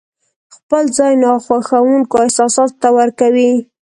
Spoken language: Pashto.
خپل ځای ناخوښونکو احساساتو ته ورکوي.